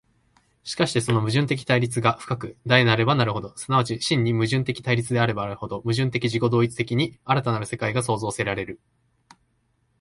しかしてその矛盾的対立が深く大なればなるほど、即ち真に矛盾的対立であればあるほど、矛盾的自己同一的に新たなる世界が創造せられる。